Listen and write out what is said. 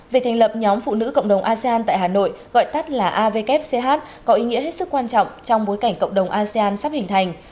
việc thành lập nhóm phụ nữ cộng đồng asean tại hà nội gọi tắt là avkch ch có ý nghĩa hết sức quan trọng trong bối cảnh cộng đồng asean sắp hình thành